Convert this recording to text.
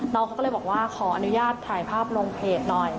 น้องเขาก็เลยบอกว่าขออนุญาตถ่ายภาพลงเพจหน่อย